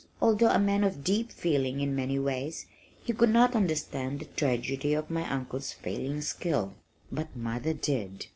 Although a man of deep feeling in many ways, he could not understand the tragedy of my uncle's failing skill. But mother did!